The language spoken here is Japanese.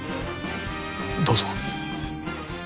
どうぞ。